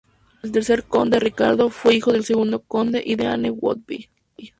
El tercer conde, Ricardo, fue hijo del segundo Conde y de Anne Woodville.